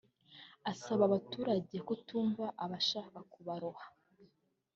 Asaba abaturage kutumva abashaka kubaroha